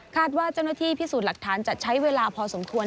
ว่าเจ้าหน้าที่พิสูจน์หลักฐานจะใช้เวลาพอสมควร